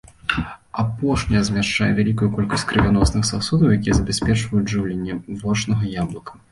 Апошняя змяшчае вялікую колькасць крывяносных сасудаў, якія забяспечваюць жыўленне вочнага яблыка.